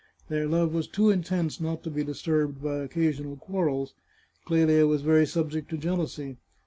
Their love was too intense not to be disturbed by occasional quarrels. Clelia was very subject to jealousy.